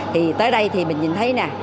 thì tới đây thì mình nhìn thấy nè